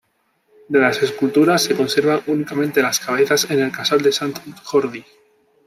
De las esculturas se conservan únicamente las cabezas en el Casal de Sant Jordi.